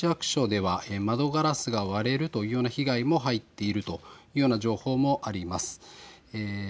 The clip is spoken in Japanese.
この映像にもありますように、御坊市役所では窓ガラスが割れるというような被害も入っているというような情報もあります。